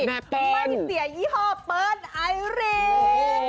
ไม่เสียยี่ห้อเปิ้ลไอรี